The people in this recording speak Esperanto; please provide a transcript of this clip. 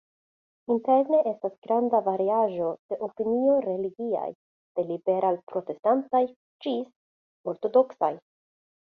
Interne estas granda variaĵo de opinioj religiaj: de liberal-protestantaj ĝis ortodoksaj.